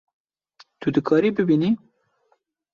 Tu dikarî bibînî